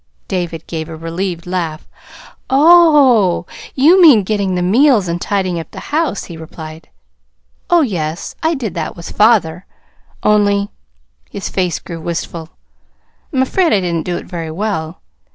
David gave a relieved laugh. "Oh, you mean getting the meals and tidying up the house," he replied. "Oh, yes, I did that with father, only" his face grew wistful "I'm afraid I didn't do it very well.